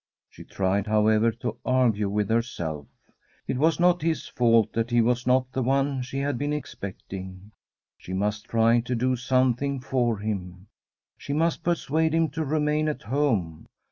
She tried, however, to argue with herself. It was not his fault that he was not the one she had been expecting. She must try to do something for him; she must persuade him to remain at home.